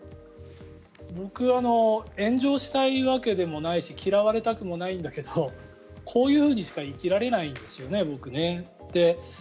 僕は炎上したいわけでもないし嫌われたくもないんだけどこういうふうにしか生きられないんですよね。